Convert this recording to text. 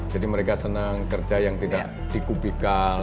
jadi mereka senang kerja yang tidak di kubikal